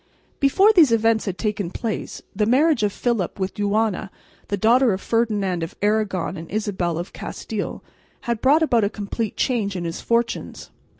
Before these events had taken place, the marriage of Philip with Juana, the daughter of Ferdinand of Aragon and Isabel of Castile, had brought about a complete change in his fortunes.